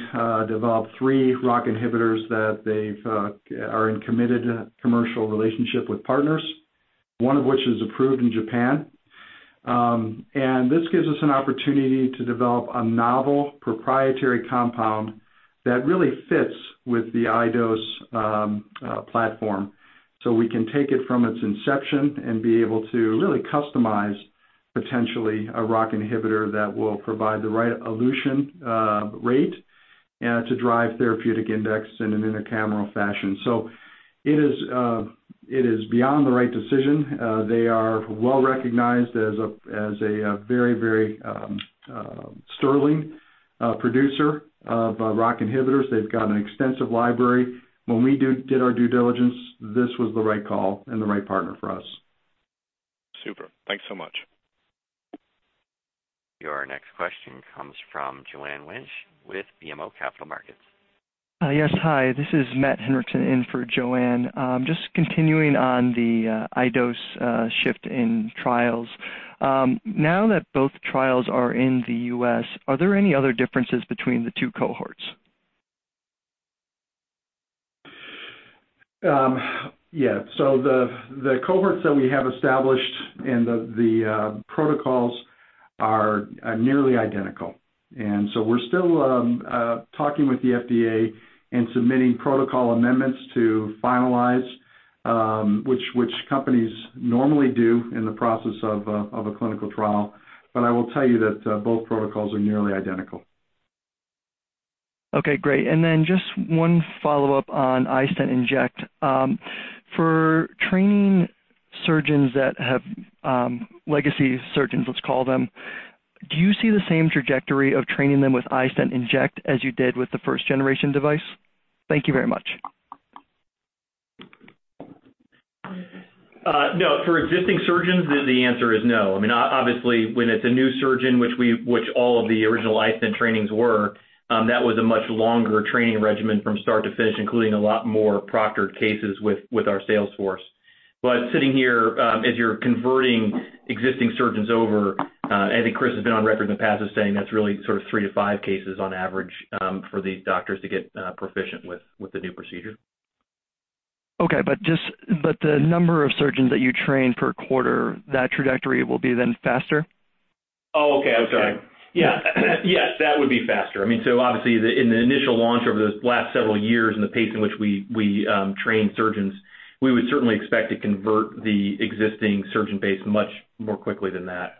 Speaker 3: developed three ROCK inhibitors that are in committed commercial relationship with partners, one of which is approved in Japan. This gives us an opportunity to develop a novel proprietary compound that really fits with the iDose platform, so we can take it from its inception and be able to really customize, potentially, a ROCK inhibitor that will provide the right elution rate to drive therapeutic index in an intracameral fashion. It is beyond the right decision. They are well-recognized as a very sterling producer of ROCK inhibitors. They've got an extensive library. When we did our due diligence, this was the right call and the right partner for us.
Speaker 12: Super. Thanks so much.
Speaker 1: Your next question comes from Joanne Wuensch with BMO Capital Markets.
Speaker 13: Yes. Hi, this is Matthew Henriksen in for Joanne. Just continuing on the iDose shift in trials. Now that both trials are in the U.S., are there any other differences between the two cohorts?
Speaker 3: Yeah. The cohorts that we have established and the protocols are nearly identical. We're still talking with the FDA and submitting protocol amendments to finalize, which companies normally do in the process of a clinical trial. I will tell you that both protocols are nearly identical.
Speaker 13: Okay, great. Just one follow-up on iStent inject. For training surgeons that have legacy surgeons, let's call them. Do you see the same trajectory of training them with iStent inject as you did with the first-generation device? Thank you very much.
Speaker 4: No. For existing surgeons, the answer is no. Obviously, when it's a new surgeon, which all of the original iStent trainings were, that was a much longer training regimen from start to finish, including a lot more proctored cases with our sales force. Sitting here, as you're converting existing surgeons over, I think Chris has been on record in the past as saying that's really sort of 3-5 cases on average for these doctors to get proficient with the new procedure.
Speaker 13: Okay. The number of surgeons that you train per quarter, that trajectory will be then faster?
Speaker 4: Okay. I'm sorry. Yes. That would be faster. Obviously, in the initial launch over those last several years and the pace in which we trained surgeons, we would certainly expect to convert the existing surgeon base much more quickly than that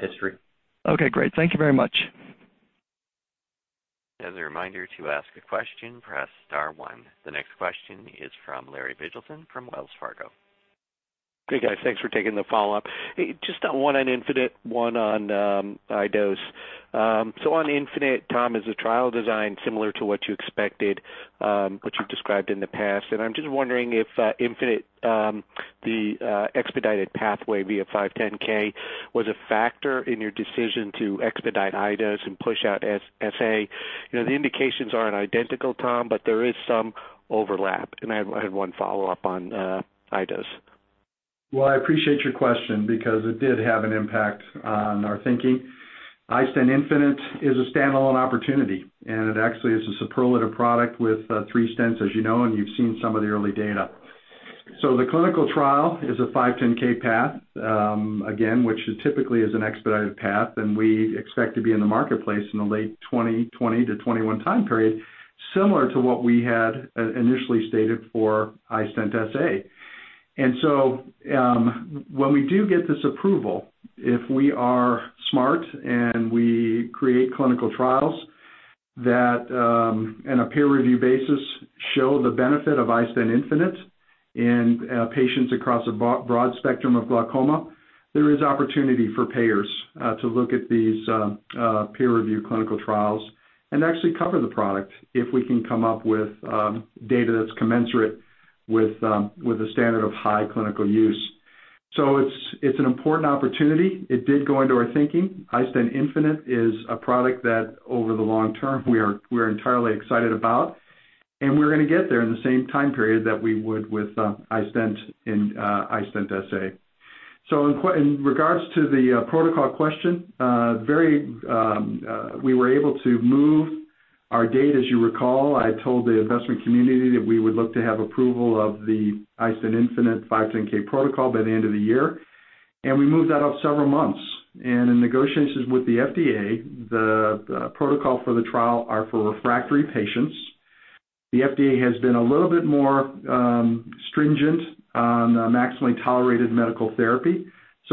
Speaker 4: history.
Speaker 13: Okay, great. Thank you very much.
Speaker 1: As a reminder, to ask a question, press *1. The next question is from Larry Biegelsen from Wells Fargo.
Speaker 7: Hey, guys, thanks for taking the follow-up. Just one on Infinite, one on iDose. On Infinite, Tom, is the trial design similar to what you expected, what you've described in the past? I'm just wondering if Infinite, the expedited pathway via 510(k) was a factor in your decision to expedite iDose and push out SA. The indications aren't identical, Tom, but there is some overlap. I had one follow-up on iDose.
Speaker 3: Well, I appreciate your question because it did have an impact on our thinking. iStent infinite is a standalone opportunity, and it actually is a superlative product with three stents, as you know, and you've seen some of the early data. The clinical trial is a 510(k) path, again, which typically is an expedited path, and we expect to be in the marketplace in the late 2020-2021 time period, similar to what we had initially stated for iStent SA. When we do get this approval, if we are smart and we create clinical trials that in a peer review basis show the benefit of iStent infinite in patients across a broad spectrum of glaucoma, there is opportunity for payers to look at these peer review clinical trials and actually cover the product if we can come up with data that's commensurate with the standard of high clinical use. It's an important opportunity. It did go into our thinking. iStent infinite is a product that over the long term, we're entirely excited about, and we're going to get there in the same time period that we would with iStent and iStent SA. In regards to the protocol question, we were able to move our date. As you recall, I told the investment community that we would look to have approval of the iStent infinite 510(k) protocol by the end of the year, and we moved that up several months. In negotiations with the FDA, the protocol for the trial are for refractory patients. The FDA has been a little bit more stringent on maximally tolerated medical therapy.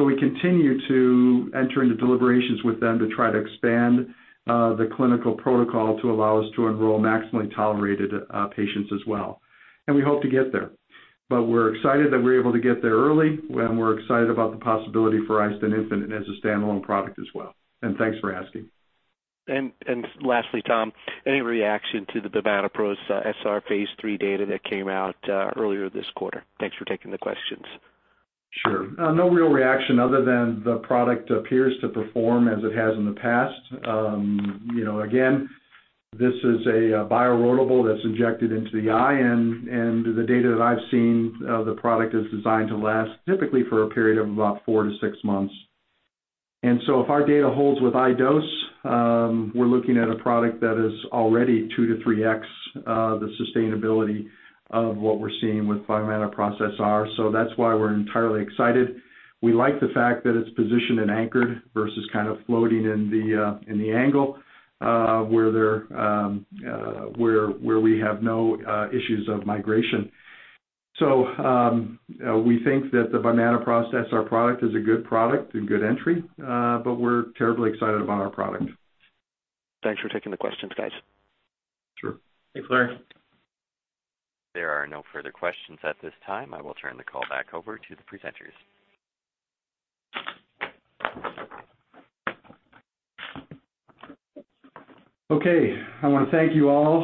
Speaker 3: We continue to enter into deliberations with them to try to expand the clinical protocol to allow us to enroll maximally tolerated patients as well. We hope to get there. We're excited that we're able to get there early, and we're excited about the possibility for iStent infinite as a standalone product as well. Thanks for asking.
Speaker 7: Lastly, Tom, any reaction to the Bimatoprost SR phase III data that came out earlier this quarter? Thanks for taking the questions.
Speaker 3: Sure. No real reaction other than the product appears to perform as it has in the past. Again, this is a bioerodible that's injected into the eye, and the data that I've seen, the product is designed to last typically for a period of about four to six months. If our data holds with iDose, we're looking at a product that is already two to three X the sustainability of what we're seeing with Bimatoprost SR. That's why we're entirely excited. We like the fact that it's positioned and anchored versus kind of floating in the angle, where we have no issues of migration. We think that the Bimatoprost SR product is a good product and good entry, but we're terribly excited about our product.
Speaker 7: Thanks for taking the questions, guys.
Speaker 3: Sure.
Speaker 4: Thanks, Larry.
Speaker 1: There are no further questions at this time. I will turn the call back over to the presenters.
Speaker 3: Okay. I want to thank you all